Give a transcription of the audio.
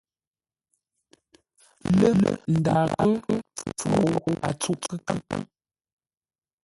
Lə̂, m ndaa kə́ pfúŋ ghou a tsûʼ kə́káŋ.